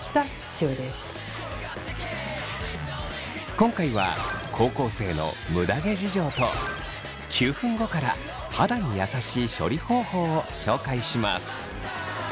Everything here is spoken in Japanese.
今回は高校生のむだ毛事情と９分後から肌に優しい処理方法を紹介します。